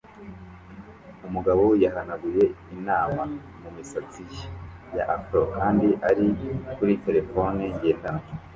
Umugabo yahanaguye inama mumisatsi ye ya Afro kandi ari kuri terefone ngendanwa